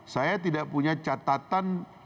saya tidak punya catatan